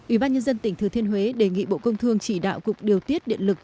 ubnd tỉnh thừa thiên huế đề nghị bộ công thương chỉ đạo cục điều tiết điện lực